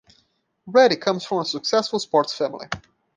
Reddy comes from a successful sports family.